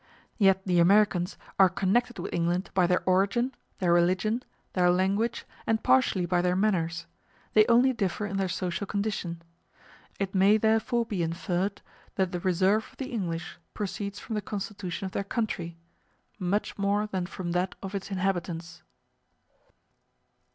Yet the Americans are connected with England by their origin, their religion, their language, and partially by their manners; they only differ in their social condition. It may therefore be inferred that the reserve of the English proceeds from the constitution of their country much more than from that of its inhabitants.